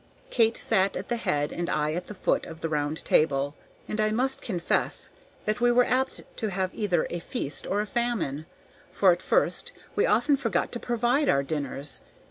Kate sat at the head and I at the foot of the round table, and I must confess that we were apt to have either a feast or a famine, for at first we often forgot to provide our dinners.